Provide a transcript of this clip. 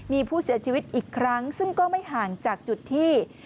มีผู้เสียชีวิตอีกครั้งซึ่งก็ไม่ห่างจากจุดที่